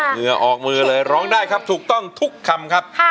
เหงื่อออกมือเลยร้องได้ครับถูกต้องทุกคำครับ